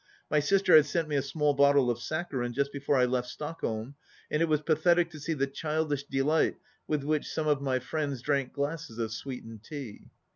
My sister had sent me a small bottle of saccharine just be fore I left Stockholm, and it was pathetic to see the childish delight with which some of my friends drank glasses of sweetened tea.